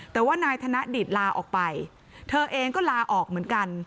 แต่ว่านายธนดิตลาออกไปเธอเองก็ลาออกเหมือนกัน